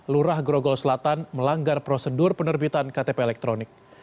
lurah grogol selatan melanggar prosedur penerbitan ktp elektronik